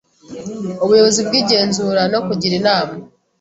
Ubuyobozi bw igenzura no kugira inama